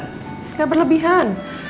gak ada yang berlebihan